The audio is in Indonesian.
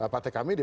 partai kami di